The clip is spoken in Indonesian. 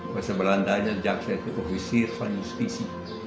jaksa berantanya jaksa itu ofisir van justitie